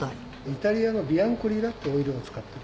イタリアのビアンコリラってオイルを使って。